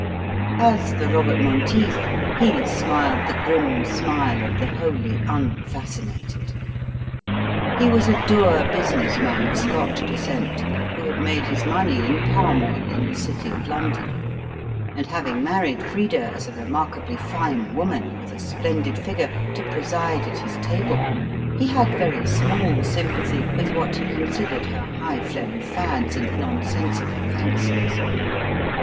As for Robert Monteith, he smiled the grim smile of the wholly unfascinated. He was a dour business man of Scotch descent, who had made his money in palm oil in the City of London; and having married Frida as a remarkably fine woman, with a splendid figure, to preside at his table, he had very small sympathy with what he considered her high flown fads and nonsensical fancies.